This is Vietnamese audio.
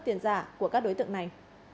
tiền giả của các đối tượng này